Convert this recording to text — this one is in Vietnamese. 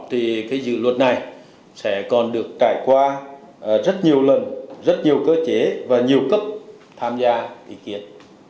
thì cái dự luật này sẽ còn được trải qua rất nhiều lần rất nhiều cơ chế và nhiều cấp tham gia ý kiến